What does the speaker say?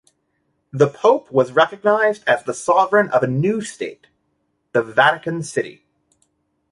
The pope was recognised as sovereign of a new state: the Vatican City.